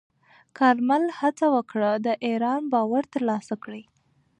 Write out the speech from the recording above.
کارمل هڅه وکړه د ایران باور ترلاسه کړي.